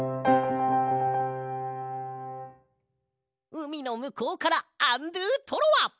うみのむこうからアンドゥトロワ！